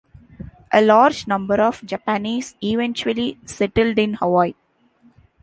A large number of Japanese eventually settled in Hawaii.